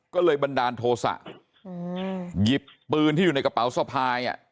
ก็เลยบันดาลโทษะหยิบปืนที่อยู่ในกระเป๋าสะพาย